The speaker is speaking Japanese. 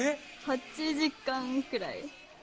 ８時間くらい。